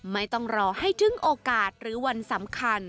ไม่ต้องรอให้ถึงโอกาสหรือวันสำคัญ